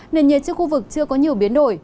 nền nhiệt trên khu vực chưa có nhiều biến đổi